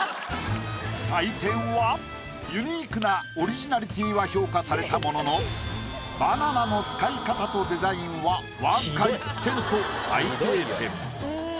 採点はユニークなオリジナリティーは評価されたもののバナナの使い方とデザインは僅か１点と最低点。